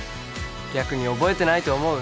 逆に覚えてないと思う？